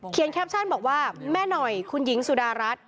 แคปชั่นบอกว่าแม่หน่อยคุณหญิงสุดารัฐ